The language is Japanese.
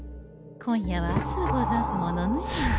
今夜は暑うござんすものね。